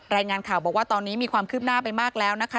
รายงานข่าวบอกว่าตอนนี้มีความคืบหน้าไปมากแล้วนะคะ